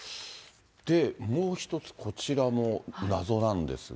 で、もう一つこちらも謎なんですが。